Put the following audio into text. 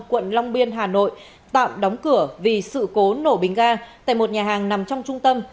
quận long biên hà nội tạm đóng cửa vì sự cố nổ bình ga tại một nhà hàng nằm trong trung tâm